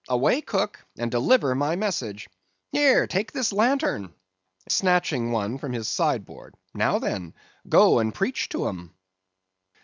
Away, cook, and deliver my message. Here, take this lantern," snatching one from his sideboard; "now then, go and preach to 'em!"